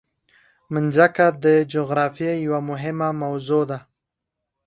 مځکه د جغرافیې یوه مهمه موضوع ده.